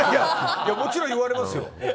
もちろん言われますよ。